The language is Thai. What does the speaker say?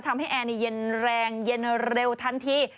ทำให้แอร์นี่เย็นแรงเย็นเร็วทันที